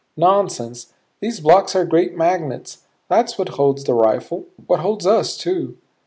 "Nonsense. These blocks are great magnets that's what holds the rifle; what holds us, too."